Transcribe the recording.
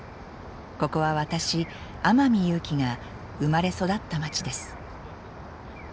ここは私天海祐希が生まれ育った町です。